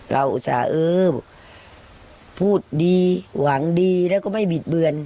อุตส่าห์เออพูดดีหวังดีแล้วก็ไม่บิดเบือน